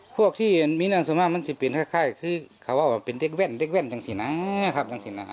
พวกที่มีนางสม่ามันสิบปีนค่ะคือเขาเอาเป็นเด็กแว่นจังสินนะครับ